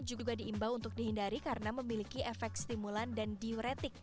juga diimbau untuk dihindari karena memiliki efek stimulan dan diuretik